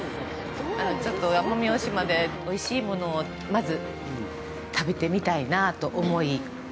ちょっと奄美大島でおいしいものをまず食べてみたいなあと思い。